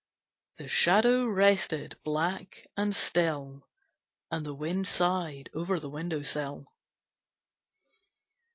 The Shadow rested black and still, And the wind sighed over the window sill.